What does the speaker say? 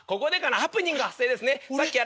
ハプニング発生ですね。